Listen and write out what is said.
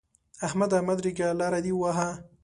احمده! مه درېږه؛ لاره دې وهه.